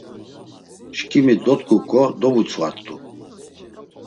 Şǩimi dot̆ǩuǩo dovutzvart̆u.